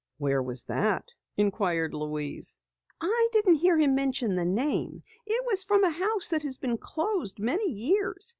"Where was that?" inquired Louise. "I didn't hear him mention the name. It was from a house that has been closed many years.